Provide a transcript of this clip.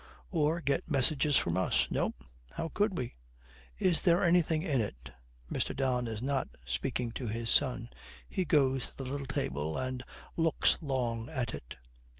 'Or get messages from us?' 'No. How could we?' 'Is there anything in it?' Mr. Don is not speaking to his son. He goes to the little table and looks long at it.